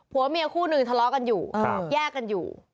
เมียคู่หนึ่งทะเลาะกันอยู่แยกกันอยู่